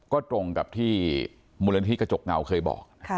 ก็ตรงกับที่มูลนิธิกระจกเงาเคยบอก